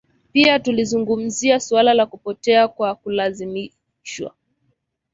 Pia tulizungumzia suala la kupotea kwa kulazimishwa